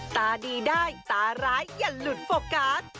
ตาดีได้ตาร้ายอย่าหลุดโฟกัส